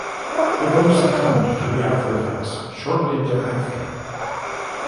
They both succumbed to the aftereffects shortly thereafter.